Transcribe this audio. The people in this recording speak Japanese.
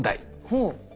ほう。